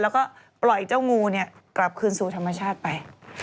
แล้วก็ปล่อยเจ้างูกลับคืนสู่ธรรมชาติไป